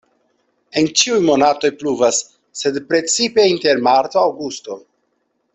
En ĉiuj monatoj pluvas, sed precipe inter marto-aŭgusto.